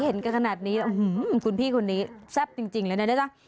เห็นกันขนาดนี้อื้อหือคุณพี่คนนี้แซ่บจริงจริงเลยน่ะนะ